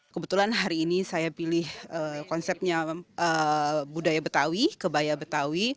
kebetulan hari ini saya pilih konsepnya budaya betawi kebaya betawi